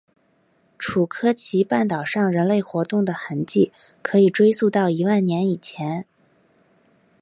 楚科奇半岛上人类活动的痕迹可以追溯到一万年以前。